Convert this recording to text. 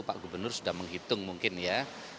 pak gubernur sudah menghitung mungkin ya